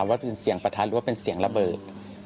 ว่าเป็นเสียงประทัดหรือว่าเป็นเสียงระเบิด